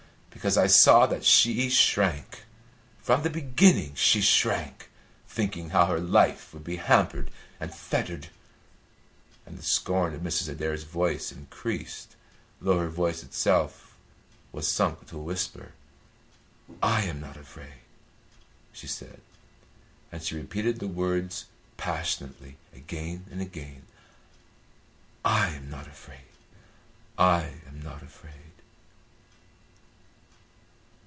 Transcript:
Because I saw that she shrank. From the beginning she shrank, thinking how her life would be hampered and fettered," and the scorn of Mrs. Adair's voice increased, though her voice itself was sunk to a whisper. "I am not afraid," she said, and she repeated the words passionately again and again. "I am not afraid. I am not afraid."